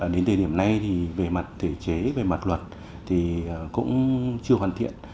đến thời điểm này thì về mặt thể chế về mặt luật thì cũng chưa hoàn thiện